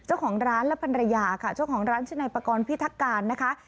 เจ้าของร้านและภรรยาค่ะเจ้าของร้านชื่อนายปากรพิทักการนะคะ